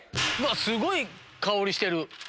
すごい香りしてる！